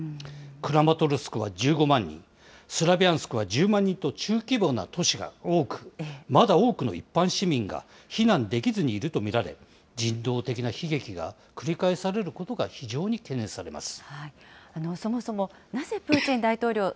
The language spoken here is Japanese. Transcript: クラマトルスクは１５万人、スリャビャンスクは１０万人と、中規模な都市が多く、まだ多くの一般市民が避難できずにいると見られ、人道的な悲劇が繰り返されることが非常に懸念されます。